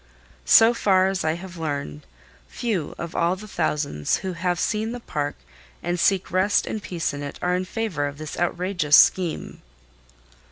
So far as I have learned, few of all the thousands who have seen the park and seek rest and peace in it are in favor of this outrageous scheme.